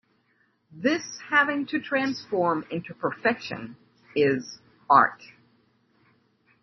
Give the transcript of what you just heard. This having to transform into perfection is-art.